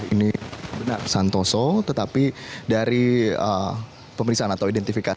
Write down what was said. ini benar santoso tetapi dari pemeriksaan atau identifikasi